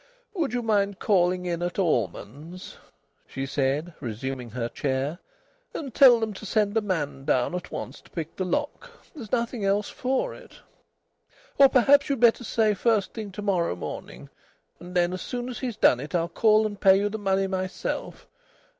"Would you mind calling in at Allman's," she said, resuming her chair, "and tell them to send a man down at once to pick the lock? There's nothing else for it. Or perhaps you'd better say first thing to morrow morning. And then as soon as he's done it I'll call and pay you the money myself.